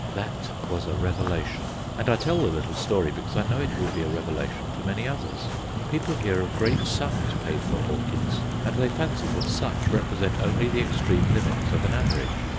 That was a revelation; and I tell the little story because I know it will be a revelation to many others. People hear of great sums paid for orchids, and they fancy that such represent only the extreme limits of an average.